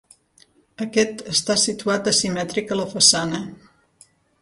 Aquest està situat asimètric a la façana.